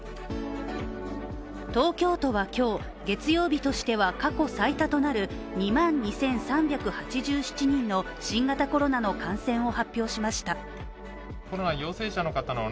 東京都は今日、月曜日としては過去最多となる２万２３８７人の新型コロナの感染を発表しました。